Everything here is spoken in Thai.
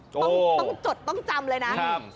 ต้องจดต้องจำเลยนะ